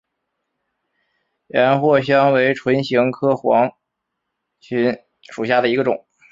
岩藿香为唇形科黄芩属下的一个种。